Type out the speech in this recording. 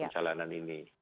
untuk perkembangan ini